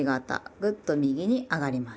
グッと右に上がります。